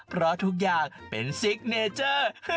เพราะทุกอย่างเป็นซิกเนเจอร์